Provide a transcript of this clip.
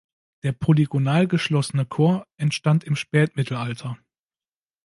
Der polygonal geschlossene Chor entstand im Spätmittelalter.